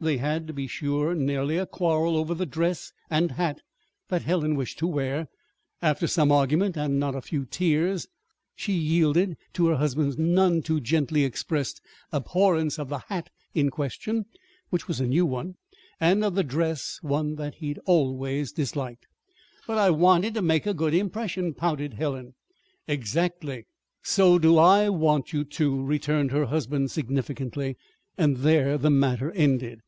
They had, to be sure, nearly a quarrel over the dress and hat that Helen wished to wear. But after some argument, and not a few tears, she yielded to her husband's none too gently expressed abhorrence of the hat in question (which was a new one), and of the dress one he had always disliked. "But I wanted to make a good impression," pouted Helen. "Exactly! So do I want you to," returned her husband significantly. And there the matter ended.